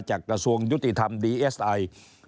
จากตยศิ